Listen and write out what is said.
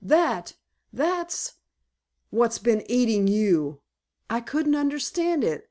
"That—that's what's been eatin' you! I couldn't understand it.